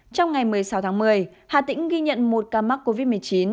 trong ngày một mươi sáu tháng một mươi hà tĩnh ghi nhận một ca mắc covid một mươi chín